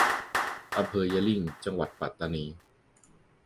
อำเภอยะหริ่ง จังหวัดปัตตานี